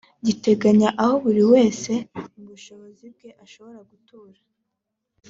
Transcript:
giteganya aho buri wese mu bushobozi bwe ashobora gutura